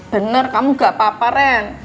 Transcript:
bener kamu gapapa ren